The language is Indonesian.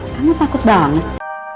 kamu takut banget